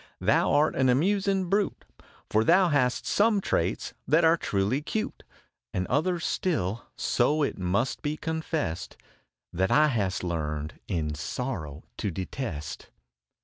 " Thou art an amusin brute, For thou hast some traits that are truly cute And others, still, so it must be confessed, That I hast learned in sorrow to detest.